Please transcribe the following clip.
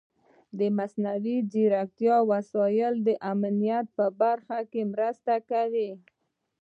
د مصنوعي ځیرکتیا وسایل د امنیت په برخه کې مرسته کوي.